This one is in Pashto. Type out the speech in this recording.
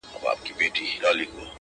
• د زاړه دښمن قصرونه -